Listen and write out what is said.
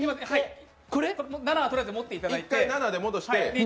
７はとりあえず持っていただいて。